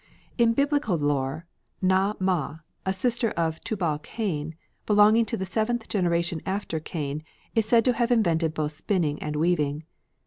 In Biblical lore Naa mah, a sister of Tubal Cain, belonging to the seventh generation after Cain, is said to have invented both spinning and weaving.